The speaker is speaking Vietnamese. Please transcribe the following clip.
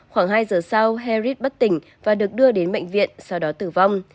khoảng hai giờ sau herrit bất tỉnh và được đưa đến bệnh viện sau đó tử vong